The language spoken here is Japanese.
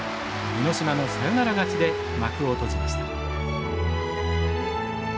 箕島のサヨナラ勝ちで幕を閉じました。